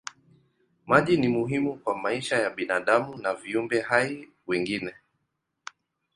Maji ni muhimu kwa maisha ya binadamu na viumbe hai wengine.